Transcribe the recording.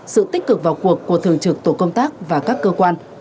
sự tích cực vào cuộc của thường trực tổ công tác và các cơ quan